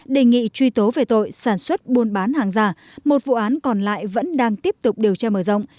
đề nghị truy tố về tội sản xuất buôn bán hàng giả một vụ án còn lại vẫn đang tiếp tục điều tra mở rộng